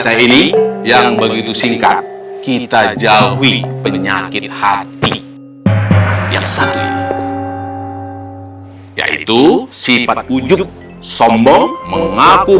saya ini yang begitu singkat kita jauhi penyakit hati yang sakit yaitu si petunjuk sombong mengaku